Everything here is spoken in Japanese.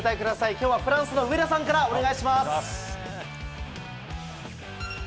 きょうはフランスの上田さんからお願いします。